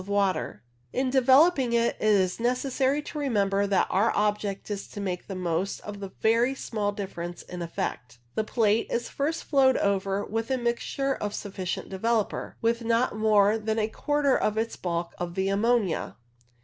of water. In developing it is necessary to remember that our object is to make the most of a very small difference in effect. The plate is first flowed over with a mixture of sufficient developer, with not more than a quarter of its bulk of the ammonia.